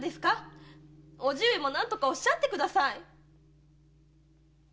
⁉叔父上も何とかおっしゃってください。